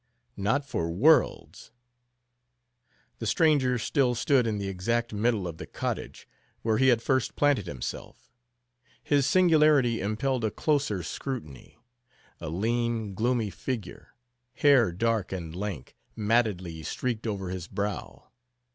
"Not for worlds!" The stranger still stood in the exact middle of the cottage, where he had first planted himself. His singularity impelled a closer scrutiny. A lean, gloomy figure. Hair dark and lank, mattedly streaked over his brow.